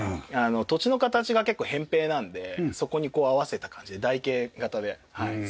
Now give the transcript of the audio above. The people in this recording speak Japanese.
土地の形が結構扁平なのでそこにこう合わせた感じで台形形で造ってます。